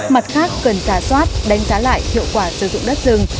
mặt khác cần giả soát đánh giá lại hiệu quả sử dụng đất rừng